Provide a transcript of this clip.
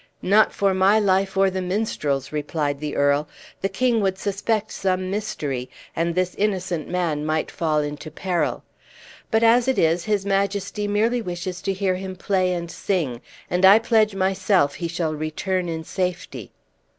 "Not for my life or the minstrel's!" replied the earl; "the king would suspect some mystery, and this innocent man might fall into peril. But as it is, his majesty merely wishes to hear him play and sing, and I pledge myself he shall return in safety."